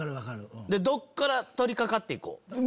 どっから取り掛かって行こう。